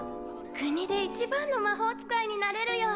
国で一番の魔法使いになれるよ